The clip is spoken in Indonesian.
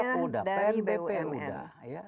dari bumn pajak udah pnbp udah